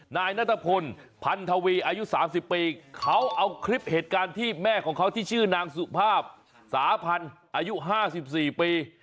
นายนัทพลพันธวีอายุ๓๐ปีเขาเอาคลิปเหตุการณ์ที่แม่ของเขาที่ชื่อนางสุภาพสาพันธ์อายุ๕๔ปี